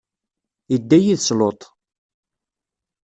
idda yid-s Luṭ.